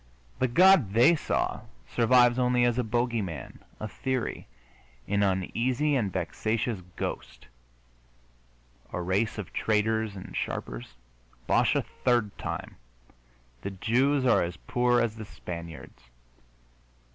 The God they saw survives only as a bogey man, a theory, an uneasy and vexatious ghost. A race of traders and sharpers? Bosh a third time! The Jews are as poor as the Spaniards.